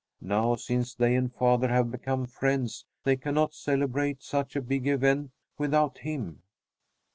Now, since they and father have become friends, they cannot celebrate such a big event without him.